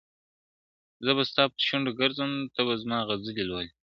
زه به ستا پرشونډو ګرځم ته به زما غزلي لولې !.